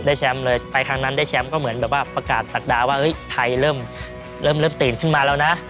แชมป์เลยไปครั้งนั้นได้แชมป์ก็เหมือนแบบว่าประกาศศักดาว่าเฮ้ยไทยเริ่มตื่นขึ้นมาแล้วนะ